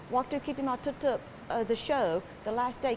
waktu kami menutup pembukaan pada hari terakhir